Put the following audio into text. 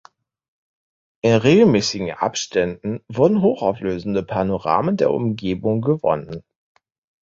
In regelmäßigen Abständen wurden hochauflösende Panoramen der Umgebung gewonnen.